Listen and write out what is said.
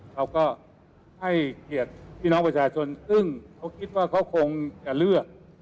เขาก็ให้เกียรติพี่น้องประชาชนซึ่งเขาคิดว่าเขาคงจะเลือก